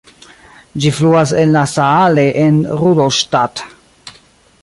Ĝi fluas en la Saale en Rudolstadt.